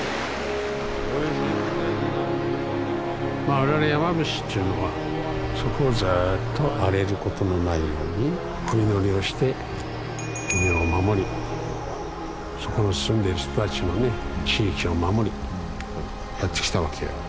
我々山伏っていうのはそこをずっと荒れることのないようにお祈りをして国を守りそこに住んでいる人たちのね地域を守りやってきたわけよ。